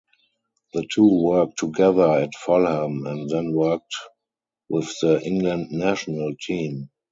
The two worked together at Fulham and then with the England national team.